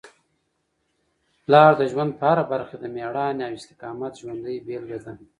پلار د ژوند په هره برخه کي د مېړانې او استقامت ژوندۍ بېلګه ده.